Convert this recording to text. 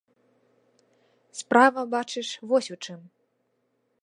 Справа, бачыш, вось у чым.